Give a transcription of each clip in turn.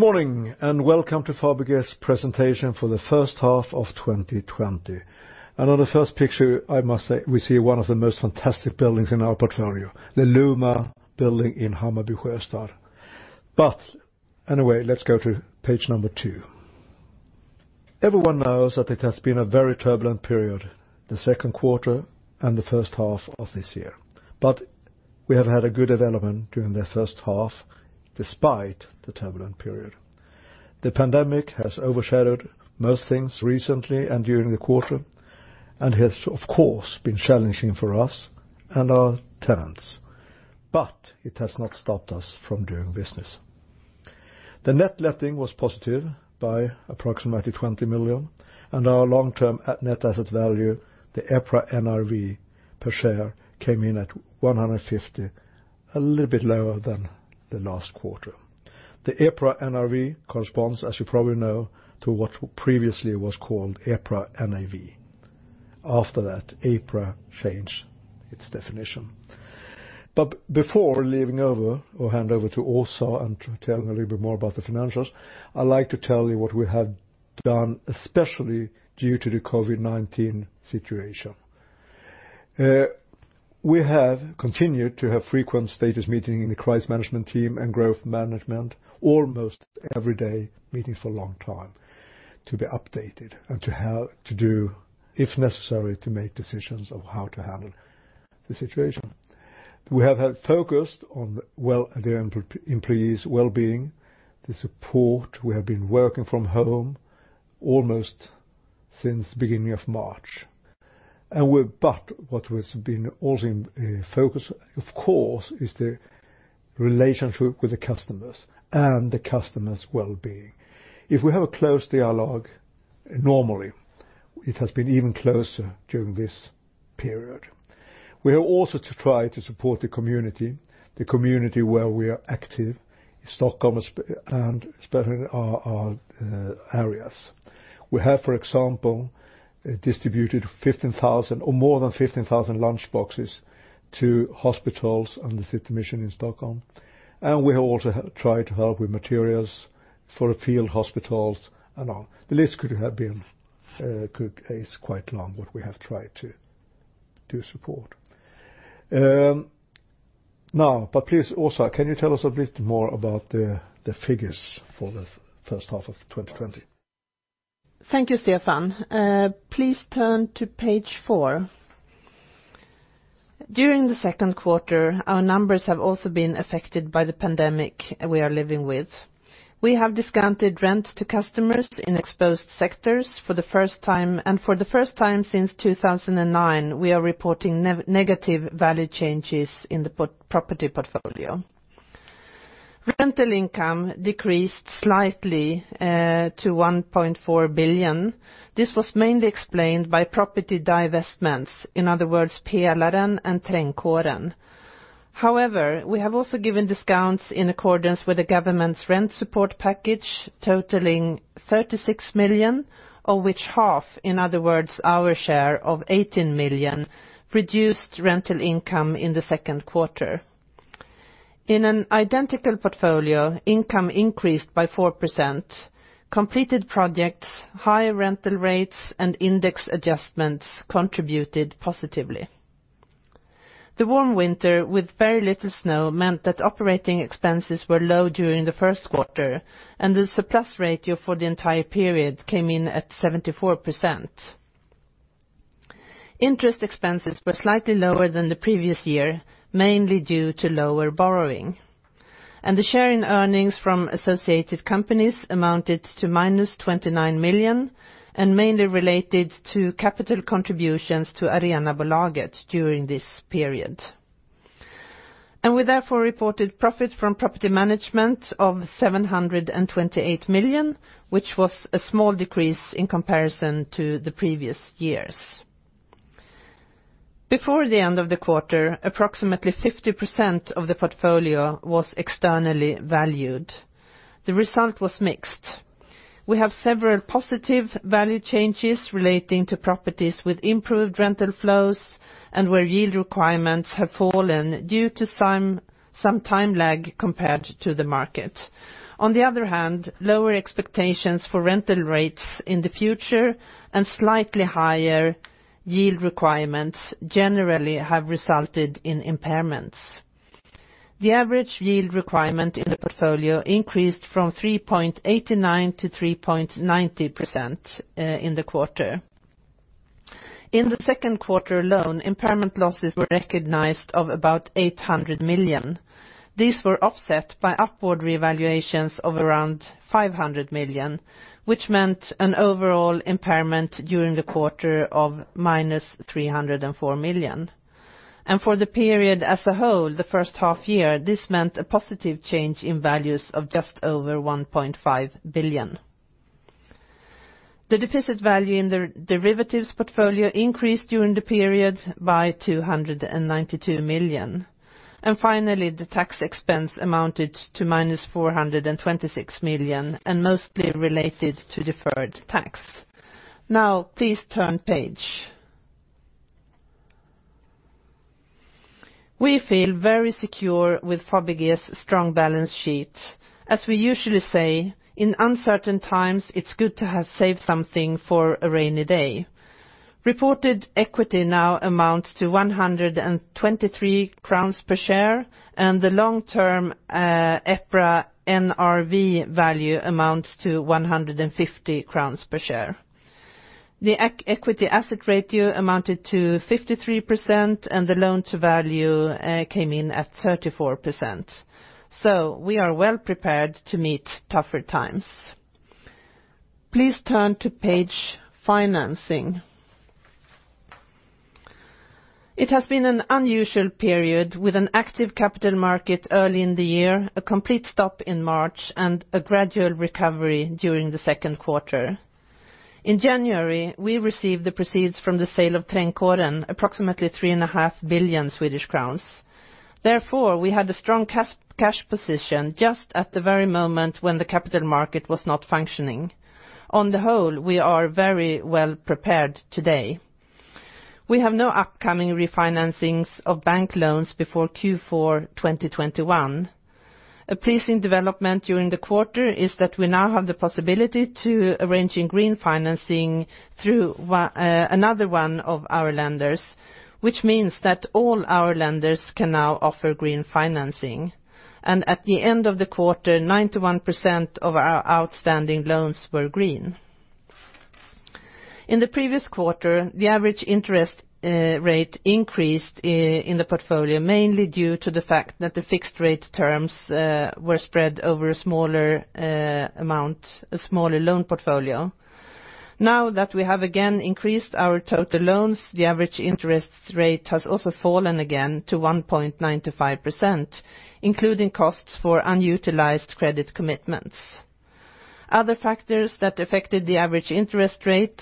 Good morning, and welcome to Fabege's presentation for the first half of 2020. On the first picture, I must say, we see one of the most fantastic buildings in our portfolio, the Luma building in Hammarby Sjöstad. Anyway, let's go to page number two. Everyone knows that it has been a very turbulent period, the second quarter and the first half of this year. We have had a good development during the first half, despite the turbulent period. The pandemic has overshadowed most things recently and during the quarter, and has, of course, been challenging for us and our tenants. It has not stopped us from doing business. The net letting was positive by approximately 20 million, and our long-term net asset value, the EPRA NRV per share, came in at 150, a little bit lower than the last quarter. The EPRA NRV corresponds, as you probably know, to what previously was called EPRA NAV. After that, EPRA changed its definition. But before leaving over or hand over to Åsa and telling a little bit more about the financials, I'd like to tell you what we have done, especially due to the COVID-19 situation. We have continued to have frequent status meetings in the crisis management team and Group Management, almost every day, meeting for a long time to be updated and to do, if necessary, to make decisions of how to handle the situation. We have focused on the employees' well-being, the support. We have been working from home almost since the beginning of March. But what has been also in focus, of course, is the relationship with the customers and the customers' well-being. If we have a close dialogue, normally it has been even closer during this period. We are also to try to support the community, the community where we are active in Stockholm and especially our areas. We have, for example, distributed 15,000 or more than 15,000 lunchboxes to hospitals and the City Mission in Stockholm. And we have also tried to help with materials for the field hospitals and on. The list could have been quite long, what we have tried to do support. Now, but please, Åsa, can you tell us a bit more about the figures for the first half of 2020? Thank you, Stefan. Please turn to page four. During the second quarter, our numbers have also been affected by the pandemic we are living with. We have discounted rent to customers in exposed sectors for the first time, and for the first time since 2009, we are reporting negative value changes in the property portfolio. Rental income decreased slightly to 1.4 billion. This was mainly explained by property divestments, in other words, Pelaren 1 and Trädgården. However, we have also given discounts in accordance with the government's rent support package, totaling 36 million, of which half, in other words, our share of 18 million, reduced rental income in the second quarter. In an identical portfolio, income increased by 4%. Completed projects, high rental rates, and index adjustments contributed positively. The warm winter with very little snow meant that operating expenses were low during the first quarter, and the surplus ratio for the entire period came in at 74%. Interest expenses were slightly lower than the previous year, mainly due to lower borrowing. The share in earnings from associated companies amounted to -29 million and mainly related to capital contributions to Arenabolaget during this period. We therefore reported profit from property management of 728 million, which was a small decrease in comparison to the previous years. Before the end of the quarter, approximately 50% of the portfolio was externally valued. The result was mixed. We have several positive value changes relating to properties with improved rental flows and where yield requirements have fallen due to some time lag compared to the market. On the other hand, lower expectations for rental rates in the future and slightly higher yield requirements generally have resulted in impairments. The average yield requirement in the portfolio increased from 3.89% to 3.90% in the quarter. In the second quarter alone, impairment losses were recognized of about 800 million. These were offset by upward revaluations of around 500 million, which meant an overall impairment during the quarter of minus 304 million, and for the period as a whole, the first half year, this meant a positive change in values of just over 1.5 billion. The deficit value in the derivatives portfolio increased during the period by 292 million. And finally, the tax expense amounted to minus 426 million and mostly related to deferred tax. Now, please turn page. We feel very secure with Fabege's strong balance sheet. As we usually say, in uncertain times, it's good to have saved something for a rainy day. Reported equity now amounts to 123 crowns per share, and the long-term EPRA NRV value amounts to 150 crowns per share. The equity-asset ratio amounted to 53%, and the loan-to-value came in at 34%. So we are well prepared to meet tougher times. Please turn to page financing. It has been an unusual period with an active capital market early in the year, a complete stop in March, and a gradual recovery during the second quarter. In January, we received the proceeds from the sale of Trädgården, approximately 3.5 billion Swedish crowns. Therefore, we had a strong cash position just at the very moment when the capital market was not functioning. On the whole, we are very well prepared today. We have no upcoming refinancings of bank loans before Q4 2021. A pleasing development during the quarter is that we now have the possibility to arrange green financing through another one of our lenders, which means that all our lenders can now offer green financing, and at the end of the quarter, 91% of our outstanding loans were green. In the previous quarter, the average interest rate increased in the portfolio mainly due to the fact that the fixed rate terms were spread over a smaller amount, a smaller loan portfolio. Now that we have again increased our total loans, the average interest rate has also fallen again to 1.95%, including costs for unutilized credit commitments. Other factors that affected the average interest rate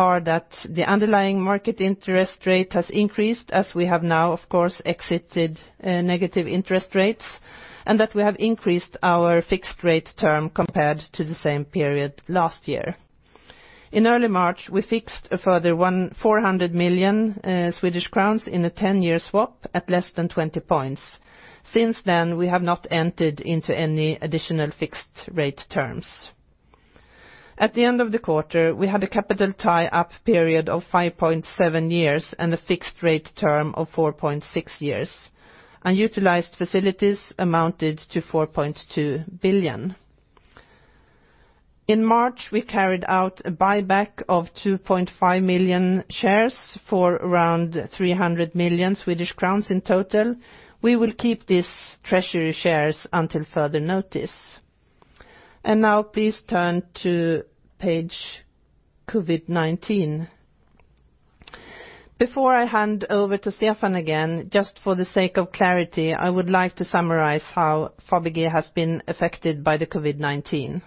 are that the underlying market interest rate has increased, as we have now, of course, exited negative interest rates, and that we have increased our fixed rate term compared to the same period last year. In early March, we fixed a further 400 million Swedish crowns in a 10-year swap at less than 20 points. Since then, we have not entered into any additional fixed rate terms. At the end of the quarter, we had a capital tie-up period of 5.7 years and a fixed rate term of 4.6 years. Unutilized facilities amounted to 4.2 billion. In March, we carried out a buyback of 2.5 million shares for around 300 million Swedish crowns in total. We will keep these treasury shares until further notice. Now, please turn to page COVID-19. Before I hand over to Stefan again, just for the sake of clarity, I would like to summarize how Fabege has been affected by the COVID-19.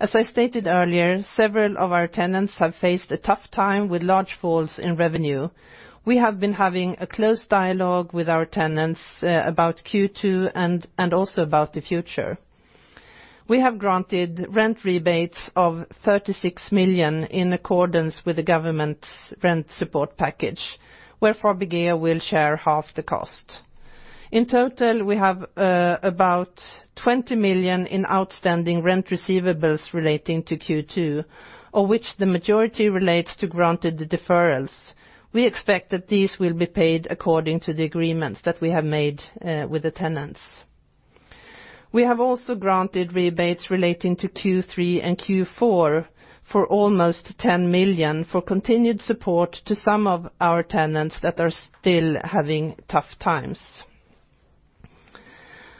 As I stated earlier, several of our tenants have faced a tough time with large falls in revenue. We have been having a close dialogue with our tenants about Q2 and also about the future. We have granted rent rebates of 36 million in accordance with the government's rent support package, where Fabege will share half the cost. In total, we have about 20 million in outstanding rent receivables relating to Q2, of which the majority relates to granted deferrals. We expect that these will be paid according to the agreements that we have made with the tenants. We have also granted rebates relating to Q3 and Q4 for almost 10 million for continued support to some of our tenants that are still having tough times.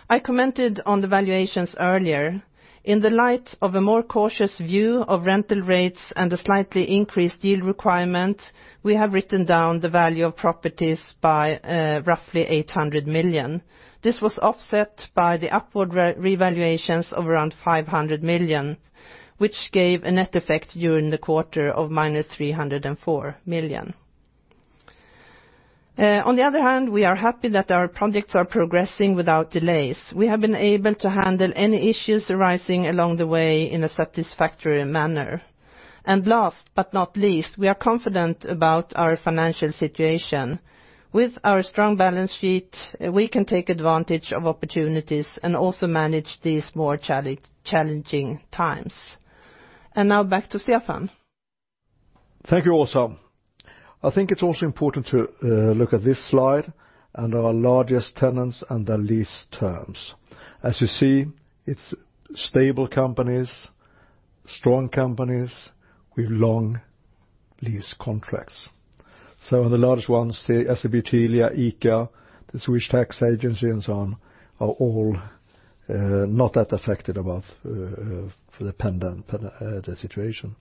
I commented on the valuations earlier. In the light of a more cautious view of rental rates and a slightly increased yield requirement, we have written down the value of properties by roughly 800 million. This was offset by the upward revaluations of around 500 million, which gave a net effect during the quarter of minus 304 million. On the other hand, we are happy that our projects are progressing without delays. We have been able to handle any issues arising along the way in a satisfactory manner. And last but not least, we are confident about our financial situation. With our strong balance sheet, we can take advantage of opportunities and also manage these more challenging times. And now back to Stefan. Thank you, Åsa. I think it's also important to look at this slide and our largest tenants and the lease terms. As you see, it's stable companies, strong companies with long lease contracts. So on the largest ones, SEB, Telia, ICA, the Swedish Tax Agency, and so on, are all not that affected about the situation.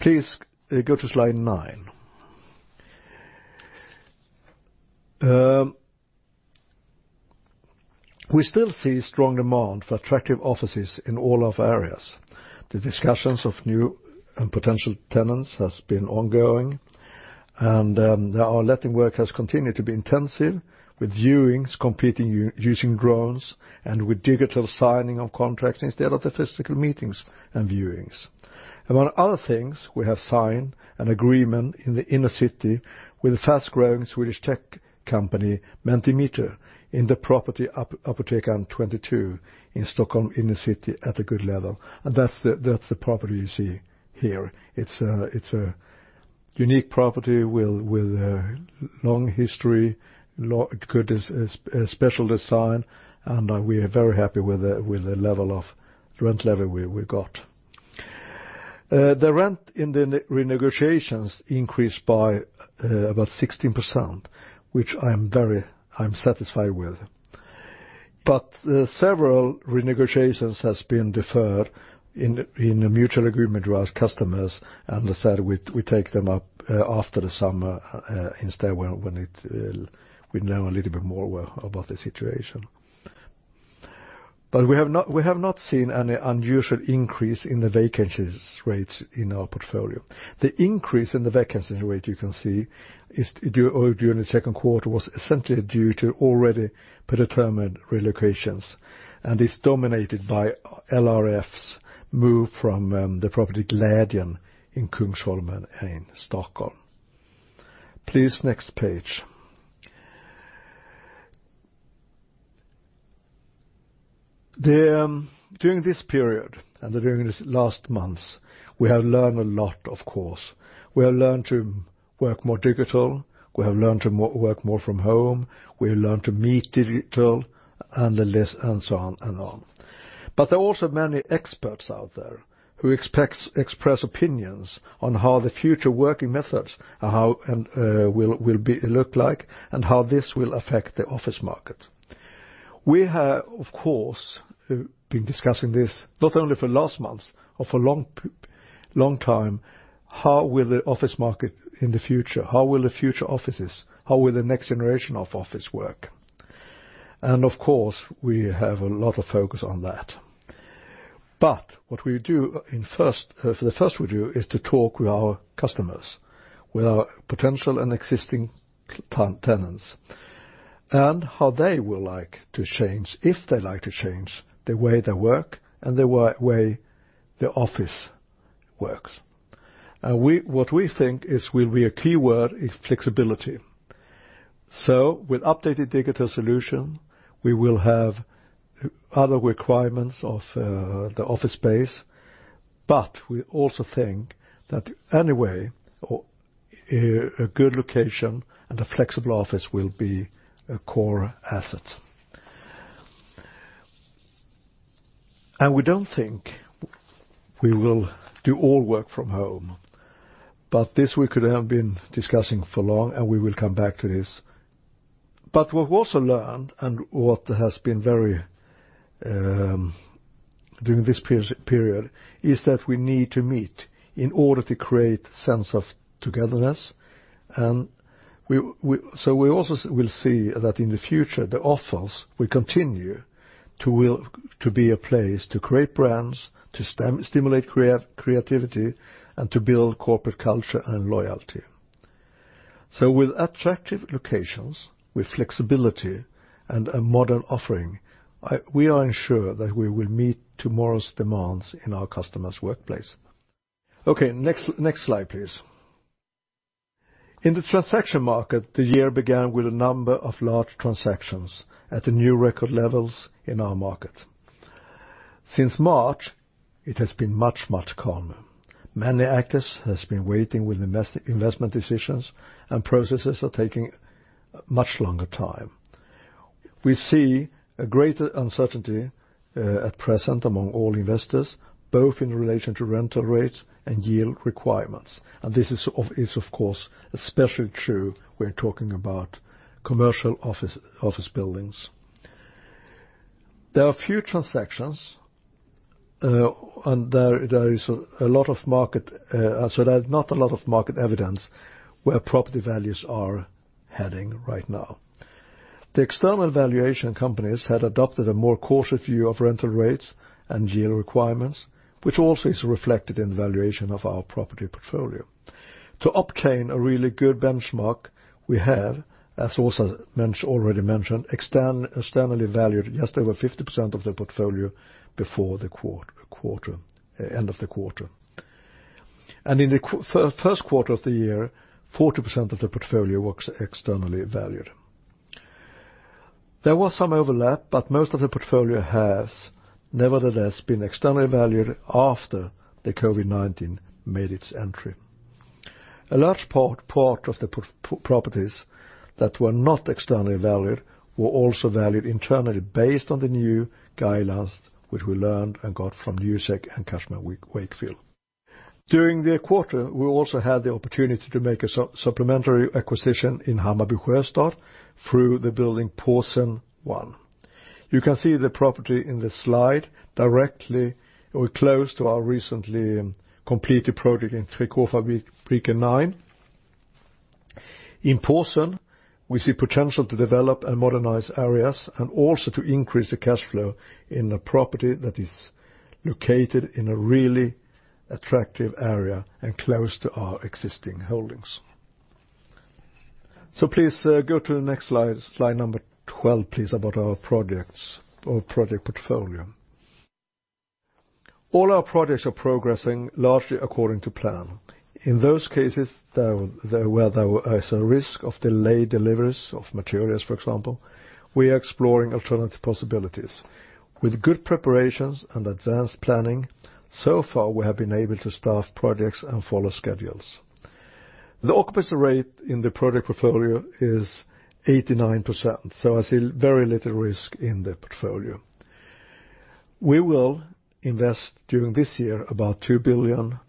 Please go to slide nine. We still see strong demand for attractive offices in all of our areas. The discussions of new and potential tenants have been ongoing, and the letting work has continued to be intensive with viewings, competing using drones, and with digital signing of contracts instead of the physical meetings and viewings. Among other things, we have signed an agreement in the inner city with a fast-growing Swedish tech company, Mentimeter, in the property Apotekaren 22 in Stockholm inner city at a good level, and that's the property you see here. It's a unique property with a long history, good special design, and we are very happy with the level of rent level we got. The rent in the renegotiations increased by about 16%, which I'm very satisfied with. But several renegotiations have been deferred in a mutual agreement with our customers, and we said we'd take them up after the summer instead when we know a little bit more about the situation. But we have not seen any unusual increase in the vacancy rates in our portfolio. The increase in the vacancy rate you can see during the second quarter was essentially due to already predetermined relocations, and it's dominated by LRF's move from the property Glädjen in Kungsholmen in Stockholm. Please next page. During this period and during these last months, we have learned a lot, of course. We have learned to work more digital. We have learned to work more from home. We have learned to meet digitally and the like and so on and on. There are also many experts out there who express opinions on how the future working methods will look like and how this will affect the office market. We have, of course, been discussing this not only for the last months but for a long time, how will the office market in the future, how will the future offices, how will the next generation of office work. Of course, we have a lot of focus on that. What we do first is to talk with our customers, with our potential and existing tenants, and how they will like to change if they like to change the way they work and the way the office works. What we think will be a key word is flexibility, so with updated digital solutions, we will have other requirements of the office space, but we also think that anyway, a good location and a flexible office will be a core asset, and we don't think we will do all work from home, but this we could have been discussing for long, and we will come back to this, but what we also learned and what has been very vivid during this period is that we need to meet in order to create a sense of togetherness, and so we also will see that in the future, the office will continue to be a place to create brands, to stimulate creativity, and to build corporate culture and loyalty, so with attractive locations, with flexibility, and a modern offering, we are ensured that we will meet tomorrow's demands in our customers' workplace. Okay, next slide please. In the transaction market, the year began with a number of large transactions at the new record levels in our market. Since March, it has been much, much calmer. Many actors have been waiting with investment decisions, and processes are taking much longer time. We see a greater uncertainty at present among all investors, both in relation to rental rates and yield requirements. And this is, of course, especially true when talking about commercial office buildings. There are a few transactions, and there is a lot of market, so there's not a lot of market evidence where property values are heading right now. The external valuation companies had adopted a more cautious view of rental rates and yield requirements, which also is reflected in the valuation of our property portfolio. To obtain a really good benchmark, we have, as Åsa already mentioned, externally valued just over 50% of the portfolio before the end of the quarter. In the first quarter of the year, 40% of the portfolio was externally valued. There was some overlap, but most of the portfolio has, nevertheless, been externally valued after the COVID-19 made its entry. A large part of the properties that were not externally valued were also valued internally based on the new guidelines which we learned and got from Newsec and Cushman & Wakefield. During the quarter, we also had the opportunity to make a supplementary acquisition in Hammarby Sjöstad through the building Påsen 1. You can see the property in the slide directly or close to our recently completed project in Trikåfabriken 9. In Påsen, we see potential to develop and modernize areas and also to increase the cash flow in a property that is located in a really attractive area and close to our existing holdings. So please go to the next slide, slide number 12 please, about our projects or project portfolio. All our projects are progressing largely according to plan. In those cases where there is a risk of delayed deliveries of materials, for example, we are exploring alternative possibilities. With good preparations and advanced planning, so far, we have been able to start projects and follow schedules. The occupancy rate in the project portfolio is 89%, so I see very little risk in the portfolio. We will invest during this year about 2 billion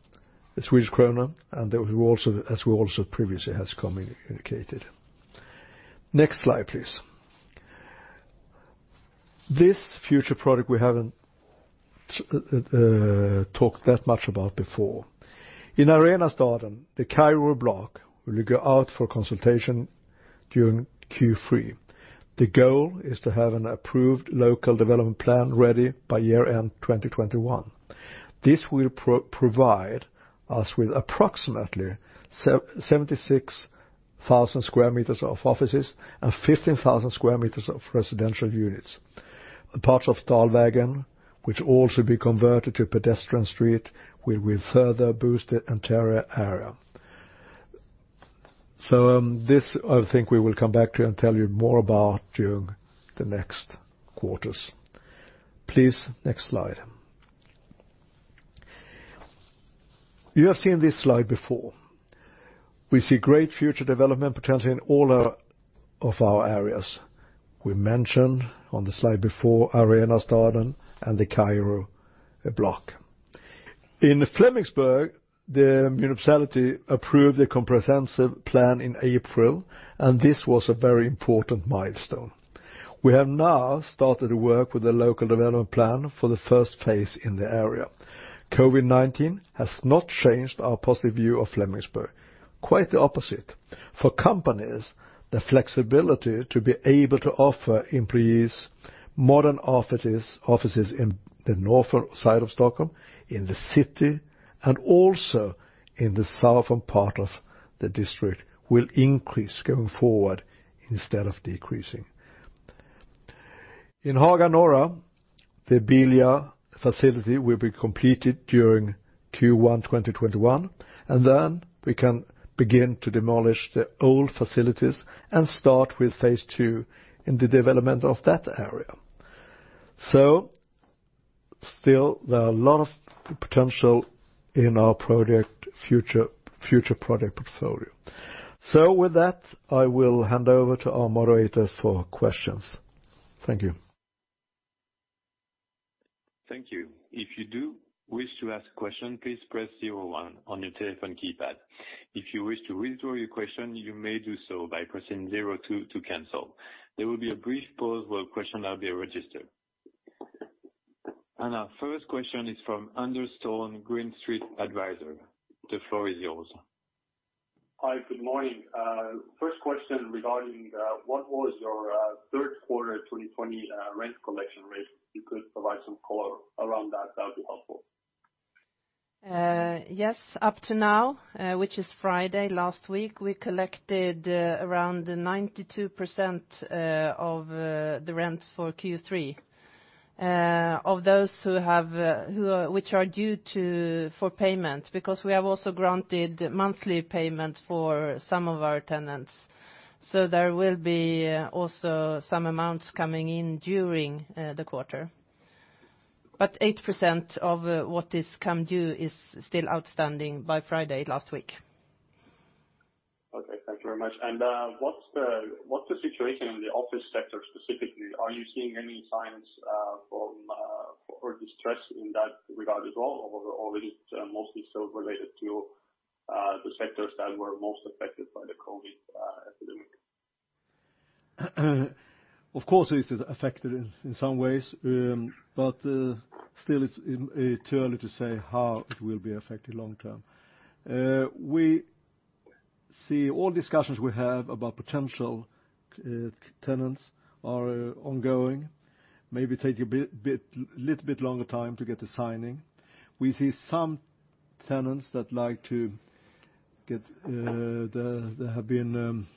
Swedish krona, as we also previously have communicated. Next slide please. This future project we haven't talked that much about before. In Arenastaden, the Kairo Block will go out for consultation during Q3. The goal is to have an approved local development plan ready by year-end 2021. This will provide us with approximately 76,000 square meters of offices and 15,000 square meters of residential units. The parts of Dalvägen, which will also be converted to a pedestrian street, will further boost the interior area. So this, I think we will come back to and tell you more about during the next quarters. Please next slide. You have seen this slide before. We see great future development potential in all of our areas. We mentioned on the slide before Arenastaden and the Kairo Block. In Flemingsberg, the municipality approved the comprehensive plan in April, and this was a very important milestone. We have now started to work with the local development plan for the first phase in the area. COVID-19 has not changed our positive view of Flemingsberg. Quite the opposite. For companies, the flexibility to be able to offer employees modern offices in the northern side of Stockholm, in the city, and also in the southern part of the district will increase going forward instead of decreasing. In Haga Norra, the Bilia facility will be completed during Q1 2021, and then we can begin to demolish the old facilities and start with phase two in the development of that area. So still, there are a lot of potential in our future project portfolio. So with that, I will hand over to our moderator for questions. Thank you. Thank you. If you do wish to ask a question, please press 01 on your telephone keypad. If you wish to withdraw your question, you may do so by pressing 02 to cancel. There will be a brief pause while questions are being registered. And our first question is from Anders Thun, Green Street Advisors. The floor is yours. Hi, good morning. First question regarding what was your third quarter 2020 rent collection rate? If you could provide some color around that, that would be helpful. Yes, up to now, which is Friday last week, we collected around 92% of the rents for Q3 of those which are due for payment because we have also granted monthly payments for some of our tenants. So there will be also some amounts coming in during the quarter. But 8% of what is come due is still outstanding by Friday last week. Okay, thank you very much. What's the situation in the office sector specifically? Are you seeing any signs of distress in that regard as well, or is it mostly still related to the sectors that were most affected by the COVID epidemic? Of course, it is affected in some ways, but still, it's too early to say how it will be affected long term. All discussions we have about potential tenants are ongoing. Maybe take a little bit longer time to get the signing. We see some tenants that like to get that have been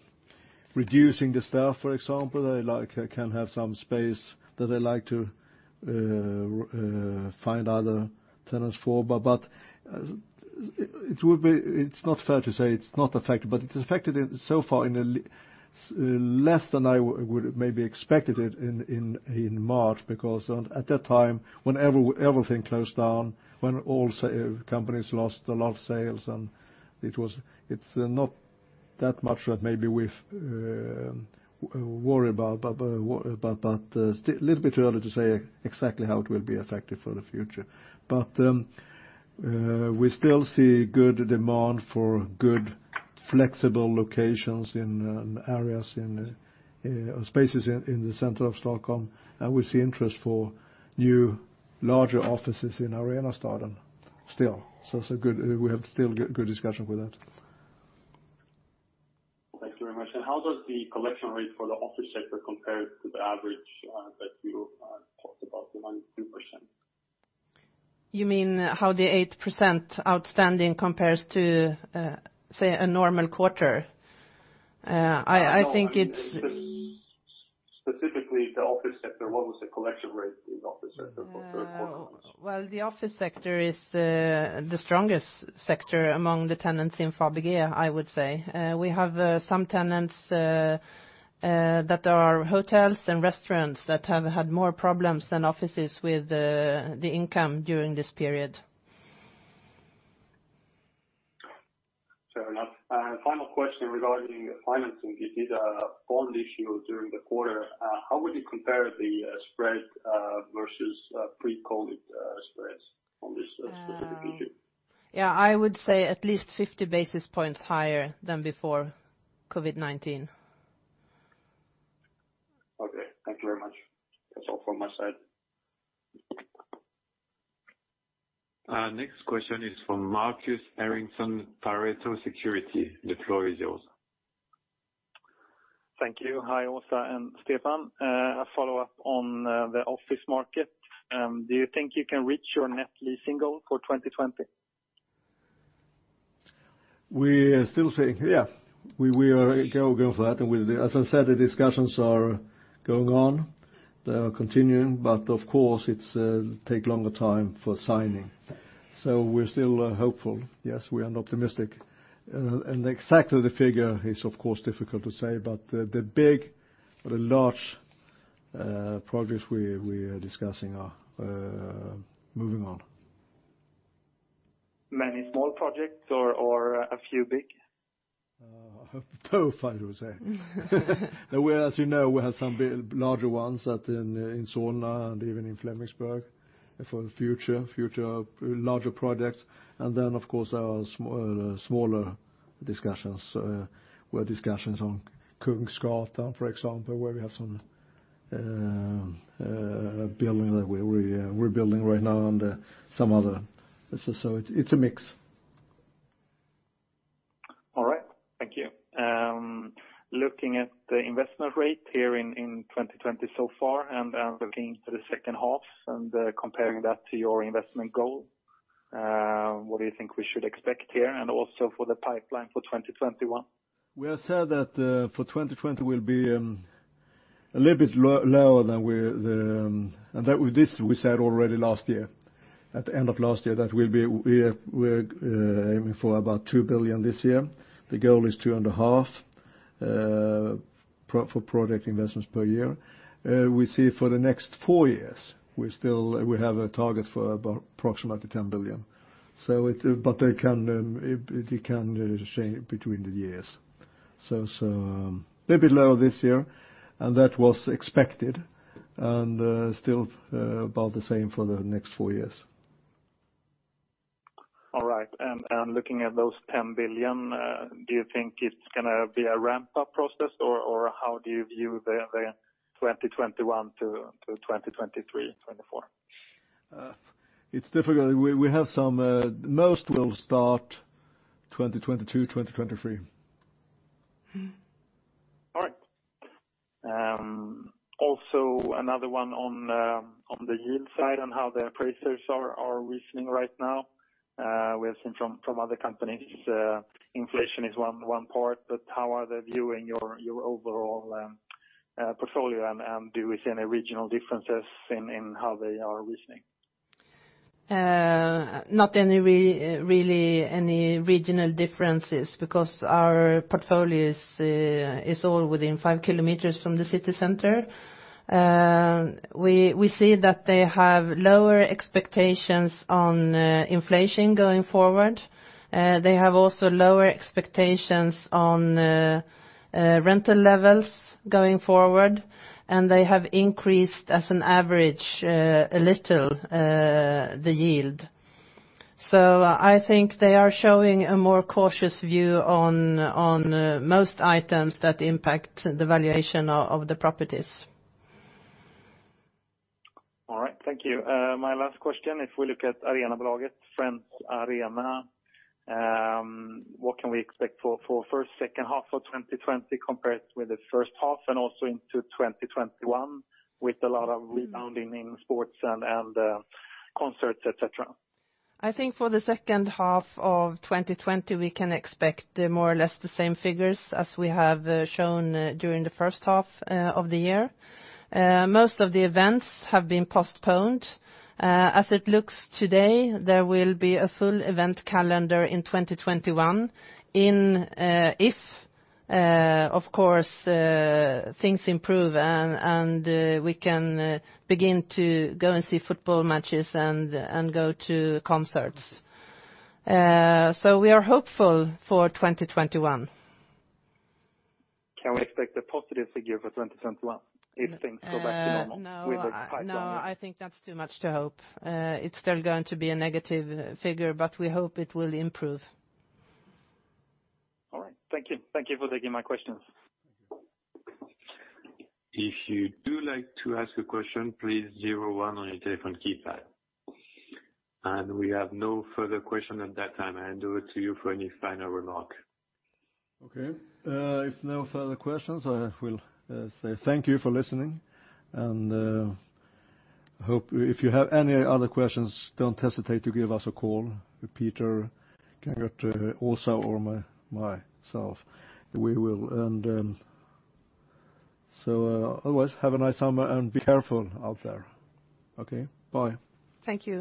reducing the staff, for example. They can have some space that they like to find other tenants for. But it's not fair to say it's not affected, but it's affected so far in less than I would have maybe expected it in March because at that time, when everything closed down, when all companies lost a lot of sales, and it's not that much that maybe we worry about, but a little bit too early to say exactly how it will be affected for the future. But we still see good demand for good flexible locations in areas and spaces in the center of Stockholm, and we see interest for new larger offices in Arenastaden still. So we have still good discussion with that. Thank you very much. And how does the collection rate for the office sector compare to the average that you talked about, the 92%? You mean how the 8% outstanding compares to, say, a normal quarter? I think it's. Specifically, the office sector, what was the collection rate in the office sector for the third quarter? The office sector is the strongest sector among the tenants in Fabege, I would say. We have some tenants that are hotels and restaurants that have had more problems than offices with the income during this period. Fair enough. Final question regarding financing. You did a fund issue during the quarter. How would you compare the spread versus pre-COVID spreads on this specific issue? Yeah, I would say at least 50 basis points higher than before COVID-19. Okay, thank you very much. That's all from my side. Next question is from Markus Henriksson, Pareto Securities. The floor is yours. Thank you. Hi, Åsa and Stefan. A follow-up on the office market. Do you think you can reach your net leasing goal for 2020? We are still saying, yeah, we will go for that. As I said, the discussions are going on. They are continuing, but of course, it takes longer time for signing, so we're still hopeful. Yes, we are not optimistic, and exactly the figure is, of course, difficult to say, but the big or the large projects we are discussing are moving on. Many small projects or a few big? Both, I would say. As you know, we have some larger ones in Solna and even in Flemingsberg for future larger projects, and then, of course, there are smaller discussions. We have discussions on Kungsgatan, for example, where we have some building that we're rebuilding right now and some other, so it's a mix. All right, thank you. Looking at the investment rate here in 2020 so far and looking to the second half and comparing that to your investment goal, what do you think we should expect here and also for the pipeline for 2021? We have said that for 2020, we'll be a little bit lower than we and this we said already last year, at the end of last year, that we'll be aiming for about 2 billion this year. The goal is 2.5 billion for project investments per year. We see for the next four years, we have a target for approximately 10 billion. But it can change between the years, so a little bit lower this year, and that was expected, and still about the same for the next four years. All right. And looking at those 10 billion, do you think it's going to be a ramp-up process, or how do you view the 2021 to 2023, 2024? It's difficult. Most will start 2022, 2023. All right. Also, another one on the yield side and how the appraisers are reasoning right now. We have seen from other companies, inflation is one part, but how are they viewing your overall portfolio, and do we see any regional differences in how they are reasoning? Not really any regional differences because our portfolio is all within five kilometers from the city center. We see that they have lower expectations on inflation going forward. They have also lower expectations on rental levels going forward, and they have increased as an average a little the yield. So I think they are showing a more cautious view on most items that impact the valuation of the properties. All right, thank you. My last question, if we look at Arenabolaget, Friends Arena, what can we expect for the first second half of 2020 compared with the first half and also into 2021 with a lot of rebounding in sports and concerts, etc.? I think for the second half of 2020, we can expect more or less the same figures as we have shown during the first half of the year. Most of the events have been postponed. As it looks today, there will be a full event calendar in 2021 if, of course, things improve and we can begin to go and see football matches and go to concerts. So we are hopeful for 2021. Can we expect a positive figure for 2021 if things go back to normal with the pipeline? No, I think that's too much to hope. It's still going to be a negative figure, but we hope it will improve. All right, thank you. Thank you for taking my questions. If you would like to ask a question, please press 01 on your telephone keypad. We have no further questions at that time. I hand over to you for any final remark. Okay. If no further questions, I will say thank you for listening. And if you have any other questions, don't hesitate to give us a call, Peter Kangert, Åsa, or myself. So otherwise, have a nice summer and be careful out there. Okay, bye. Thank you.